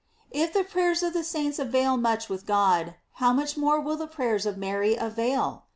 If the prayers of the saints avail much with God, how much more will the prayers of Mary avail!